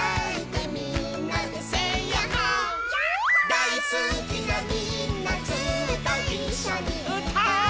「だいすきなみんなずっといっしょにうたおう」